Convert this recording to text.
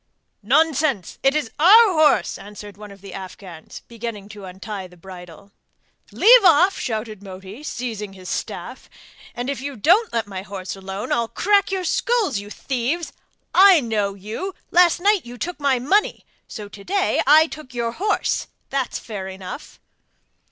'Nonsense! it is our horse,' answered one of the Afghans beginning to untie the bridle. 'Leave off,' shouted Moti, seizing his staff; 'if you don't let my horse alone I'll crack your skulls! you thieves! I know you! Last night you took my money, so to day I took your horse; that's fair enough!